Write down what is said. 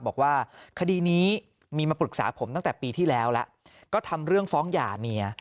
บอกว่าคดีนี้มีมาปรึกษาผมตั้งแต่ปีที่แล้วแล้วก็ทำเรื่องฟ้องหย่าเมีย